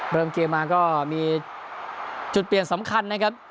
เริ่มเกมมาก็มีจุดเปลี่ยนสำคัญนะครับ